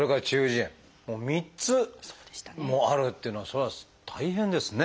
もう３つもあるっていうのはそれは大変ですね。